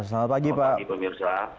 selamat pagi pemirsa